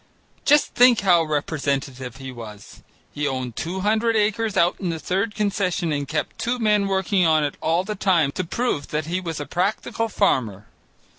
Just think how representative he was. He owned two hundred acres out on the Third Concession and kept two men working on it all the time to prove that he was a practical farmer.